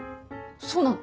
そうなの？